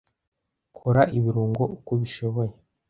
Kora ibirungo uko ubishoboye.